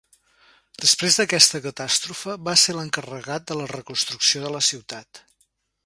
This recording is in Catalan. Després d'aquesta catàstrofe va ser l'encarregat de la reconstrucció de la ciutat.